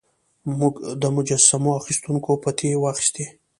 موږ د مجسمو اخیستونکو پتې واخیستې.